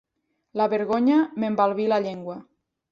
La vergonya m'embalbí la llengua.